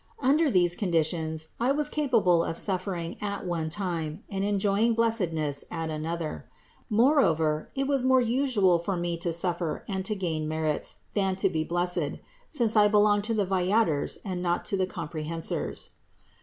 Under these conditions I was capable of suffering at one time and enjoying blessedness at another; moreover it was more usual for me to suffer and to gain merits, than to be blessed, since I belonged to the viators and not to the comprehensors.